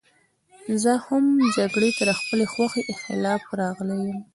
زه هم جګړې ته د خپلې خوښې خلاف راغلی یم